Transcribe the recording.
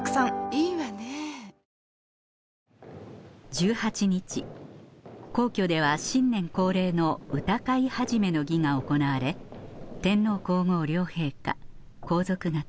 １８日皇居では新年恒例の歌会始の儀が行われ天皇皇后両陛下皇族方